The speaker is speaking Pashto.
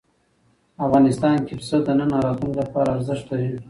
افغانستان کې پسه د نن او راتلونکي لپاره ارزښت لري.